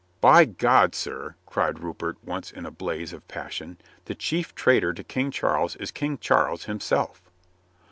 "By God, sir," cried Rupert once in a blaze of passion, "the chief traitor to King Charles is King Charles himself."